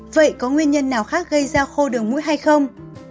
vậy có nguyên nhân nào khác gây ra khô đường mũi hay không